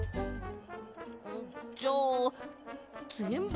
んじゃあぜんぶ